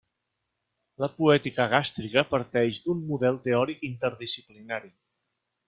La poètica gàstrica parteix d'un model teòric interdisciplinari.